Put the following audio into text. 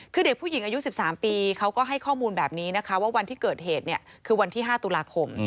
คือเด็กผู้หญิงอายุ๑๓ปีเขาก็ให้ข้อมูลแบบนี้นะคะว่าวันที่เกิดเหตุคือวันที่๕ตุลาคม